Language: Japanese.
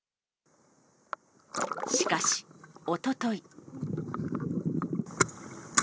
しかし、おととい。